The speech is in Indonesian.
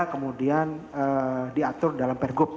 kemudian diatur dalam per gub